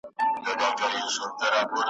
او ښکنځل نه اورېدلي او نه مي ,